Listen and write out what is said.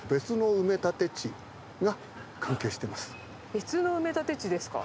別の埋立地ですか。